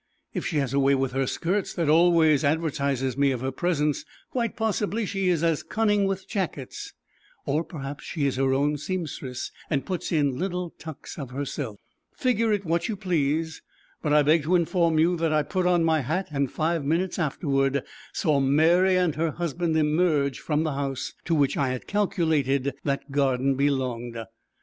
If she has a way with her skirts that always advertises me of her presence, quite possibly she is as cunning with jackets. Or perhaps she is her own seamstress, and puts in little tucks of herself. Figure it what you please; but I beg to inform you that I put on my hat and five minutes afterward saw Mary and her husband emerge from the house to which I had calculated that garden belonged.